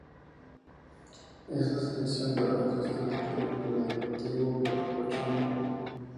Es la sección de baloncesto del club polideportivo VfL Bochum.